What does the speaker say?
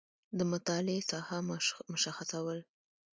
د مطالعې ساحه مشخصول